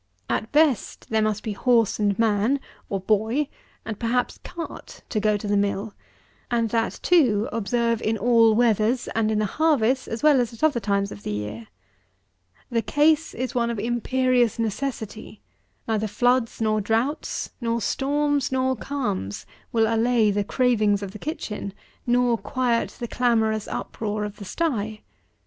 At best, there must be horse and man, or boy, and, perhaps, cart, to go to the mill; and that, too, observe, in all weathers, and in the harvest as well as at other times of the year. The case is one of imperious necessity: neither floods nor droughts, nor storms nor calms, will allay the cravings of the kitchen, nor quiet the clamorous uproar of the stye.